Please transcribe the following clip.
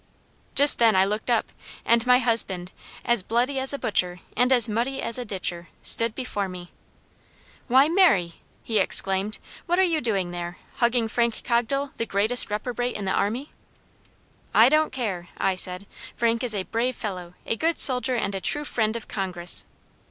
"Just then I looked up, and my husband, as bloody as a butcher, and as muddy as a ditcher, stood before me. "'Why, Mary!' he exclaimed, 'what are you doing there? Hugging Frank Cogdell, the greatest reprobate in the army?' "'I don't care,' I said. 'Frank is a brave fellow, a good soldier, and a true friend of Congress.'